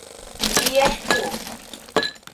Виеш пу!